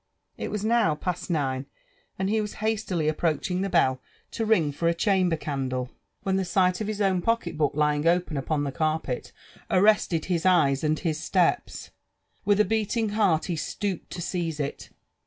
It was new past nine, and he was hastily appioaehing the bell to ring bra Chamber oandle, when the sight of his own pocket book lying open upon the carpet arrested his eyes and his steps. With a beating heart he stooped to seize it.